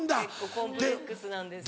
コンプレックスなんですけど。